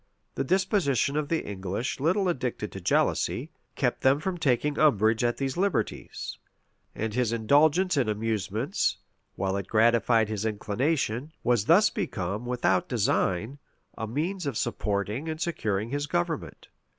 The disposition of the English little addicted to jealousy, kept them from taking umbrage at these liberties: and his indulgence in amusements, while it gratified his inclination, was thus become, without design, a means of supporting and securing his government.